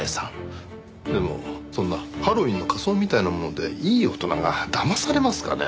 でもそんなハロウィーンの仮装みたいなものでいい大人がだまされますかねえ？